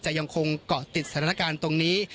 ยังคงเกาะติดสถานการณ์ตรงนี้